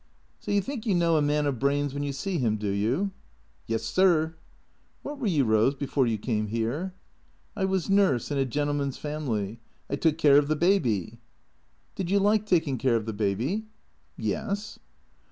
" So you think you know a man of brains when you see him, do you ?"" Yes, sir." " What were you, Eose, before you came here ?"" I was nurse in a gentleman's family. I took care of the baby." "Did you like taking care of the baby?" " Yes.''